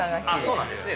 ◆そうなんですね。